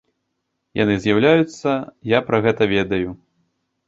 Яны з'яўляюцца, я пра гэта ведаю.